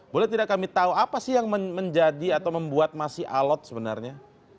boleh tidak kami tahu apa sih yang menjadi atau membuat masih alot sebenarnya